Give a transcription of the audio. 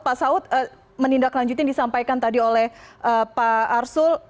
pak saud menindaklanjutkan disampaikan tadi oleh pak arsul